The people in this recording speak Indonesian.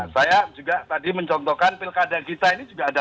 saya juga tadi mencontohkan pilkada kita ini juga ada